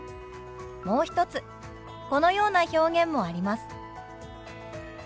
もう一つこのような表現もあります。